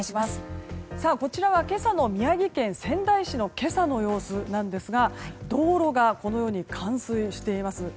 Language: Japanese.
こちらは宮城県仙台市の今朝の様子なんですが道路が冠水しています。